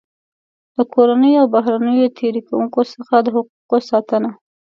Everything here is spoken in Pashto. د کورنیو او بهرنیو تېري کوونکو څخه د حقوقو ساتنه.